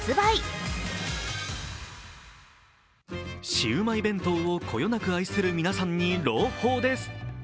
シウマイ弁当をこよなく愛する皆さんに朗報です。